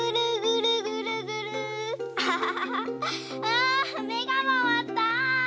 あめがまわった。